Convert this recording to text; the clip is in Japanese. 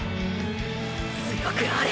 “強くあれ”！！